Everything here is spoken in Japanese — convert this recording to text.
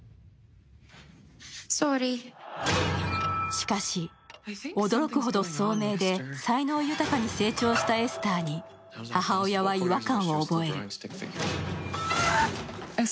しかし、驚くほど聡明で才能豊かに成長したエスターに母親は違和感を覚える。